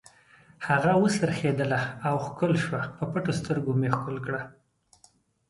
هغه و څرخېدله او ښکل شوه، پر پټو سترګو مې ښکل کړه.